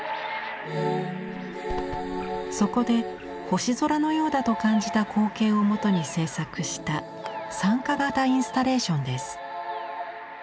そこで星空のようだと感じた光景をもとに制作した参加型インスタレーションです。